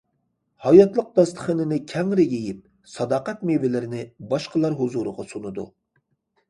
ھاياتلىق داستىخىنىنى كەڭرى يېيىپ، ساداقەت مېۋىلىرىنى باشقىلار ھۇزۇرىغا سۇنىدۇ.